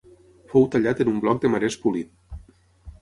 Fou tallat en un bloc de marès polit.